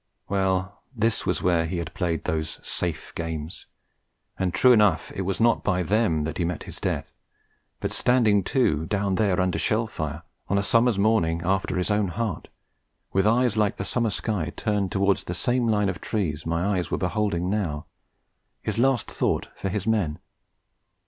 Well, this was where he had played those safe games; and true enough, it was not by them he met his death, but standing to down there under shell fire, on a summer's morning after his own heart, with eyes like the summer sky turned towards the same line of trees my eyes were beholding now, his last thought for his men.